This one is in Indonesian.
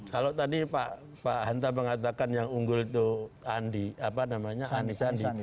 kalau tadi pak hanta mengatakan yang unggul itu andi apa namanya andi andi